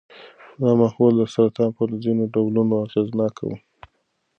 دا محلول د سرطان پر ځینو ډولونو اغېزناک و.